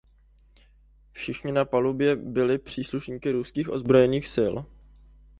Všichni na palubě byli příslušníky ruských ozbrojených sil.